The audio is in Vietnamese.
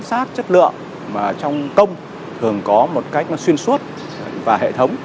giám sát chất lượng mà trong công thường có một cách nó xuyên suốt và hệ thống